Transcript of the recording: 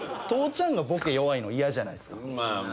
父ちゃんがボケ弱いの嫌じゃないですか。